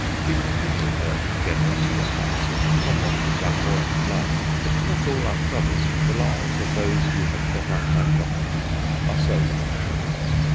She continued her generous, expansive, somewhat flam boyant life. It was not all untroubled : the lives of those who have shot up like rockets are seldom untroubled.